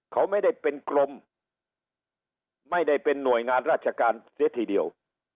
เขาไม่ได้เป็นกรมไม่ได้เป็นหน่วยงานราชการเสียทีเดียว